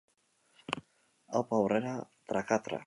Aupa Aurrera Trakatra!